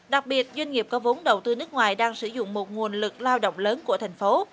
đặc biệt doanh nghiệp có vốn đầu tư nước ngoài đang sử dụng một nguồn lực lao động lớn của thành phố